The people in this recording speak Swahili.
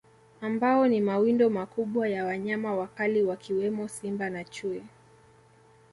Ambao ni mawindo makubwa ya wanyama wakali wakiwemo Simba na Chui